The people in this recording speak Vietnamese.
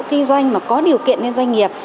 kinh doanh mà có điều kiện lên doanh nghiệp